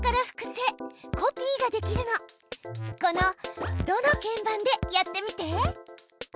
この「ド」の鍵盤でやってみて！